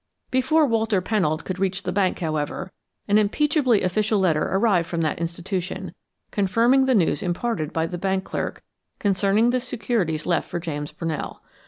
Before Walter Pennold could reach the bank, however, an unimpeachably official letter arrived from that institution, confirming the news imparted by the bank clerk concerning the securities left for James Brunell.